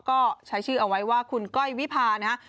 ก็ใช้ชื่อเอาไว้ว่าคุณก้อยวิพานะฮะ